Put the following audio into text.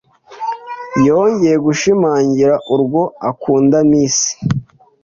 yongeye gushimangira urwo akunda Miss